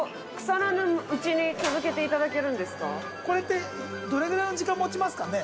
これってどれぐらいの時間持ちますかね？